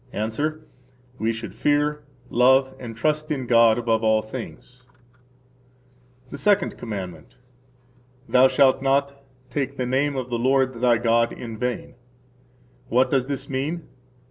–Answer: We should fear, love, and trust in God above all things. The Second Commandment. Thou shalt not take the name of the Lord, thy God, in vain. What does this mean?